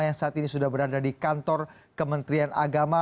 yang saat ini sudah berada di kantor kementerian agama